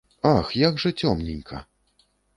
Ах, як жа цёмненька!